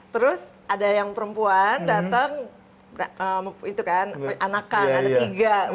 terus ada yang perempuan datang itu kan anakan ada tiga